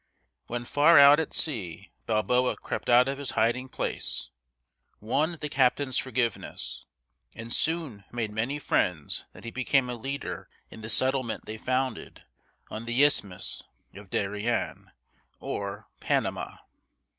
When far out at sea Balboa crept out of his hiding place, won the captain's forgiveness, and soon made so many friends that he became a leader in the settlement they founded on the Isthmus of Da´ri en, or Pan a ma´.